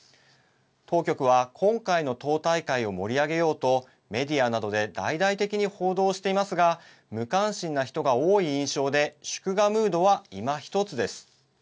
当局は今回の党大会を盛り上げようとメディアなどで大々的に報道していますが無関心な人が多い印象で祝賀ムードは、いまひとつです。